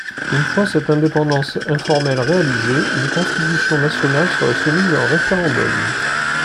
Une fois cette indépendance informelle réalisée, une constitution nationale serait soumise à un référendum.